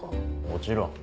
もちろん。